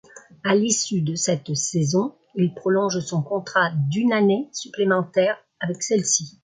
À l'issue de cette saison, il prolonge son contrat d'un année supplémentaire avec celle-ci.